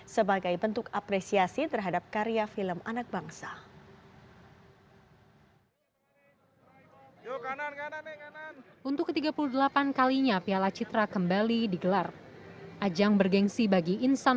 sebagai bentuk apresiasi terhadap karya film anak bangsa